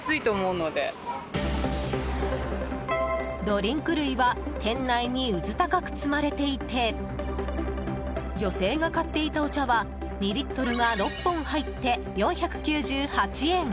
ドリンク類は店内にうず高く積まれていて女性が買っていたお茶は２リットルが６本入って４９８円。